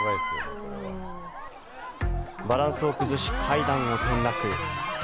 バランスを崩し、階段を転落。